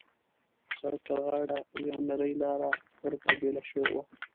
د سړک پر غاړه یوه نرۍ لاره غره ته بېله شوې وه.